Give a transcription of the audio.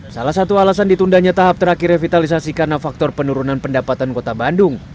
salah satu alasan ditundanya tahap terakhir revitalisasi karena faktor penurunan pendapatan kota bandung